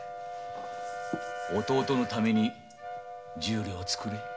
弟のために十両つくれ。